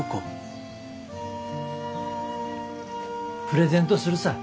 プレゼントするさぁ。